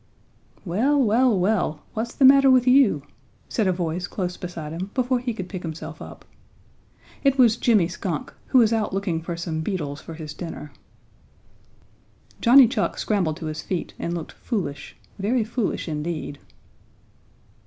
"Well, well, well! What's the matter with you?" said a voice close beside him before he could pick himself up. It was Jimmy Skunk, who was out looking for some beetles for his dinner. Johnny Chuck scrambled to his feet and looked foolish, very foolish indeed.